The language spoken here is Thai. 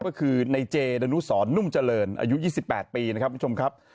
ก็คือในเจดนุสรนุ่มเจริญอายุ๒๘ปีนะครับคุณผู้ชมครับ